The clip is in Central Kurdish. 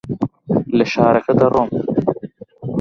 لە شارەکە دەڕۆم.